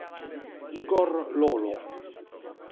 Igor Lolo